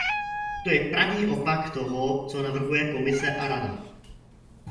To je pravý opak toho, co navrhuje Komise a Rada.